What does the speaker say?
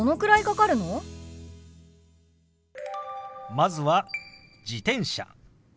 まずは「自転車」。